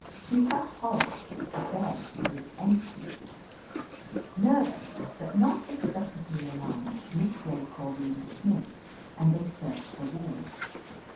To her horror, the bed was empty ! "Nervous, but not excessively alarmed. Miss Blake called Linda Smith, and they 194 OF LETITIA CARBERRY searched the ward.